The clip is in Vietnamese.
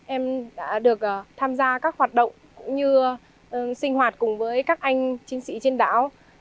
em đã được tham gia các hoạt động cũng như sinh hoạt cùng với các anh chiến sĩ trên đảo